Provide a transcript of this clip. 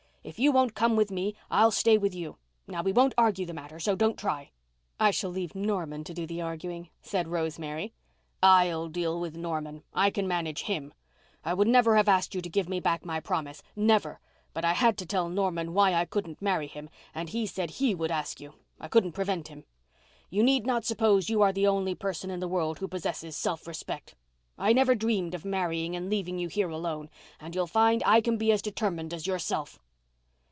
If you won't come with me I'll stay with you. Now, we won't argue the matter, so don't try." "I shall leave Norman to do the arguing," said Rosemary. "I'll deal with Norman. I can manage him. I would never have asked you to give me back my promise—never—but I had to tell Norman why I couldn't marry him and he said he would ask you. I couldn't prevent him. You need not suppose you are the only person in the world who possesses self respect. I never dreamed of marrying and leaving you here alone. And you'll find I can be as determined as yourself."